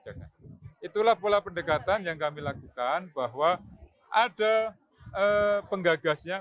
jaga itulah pola pendekatan yang kami lakukan bahwa ada penggagasnya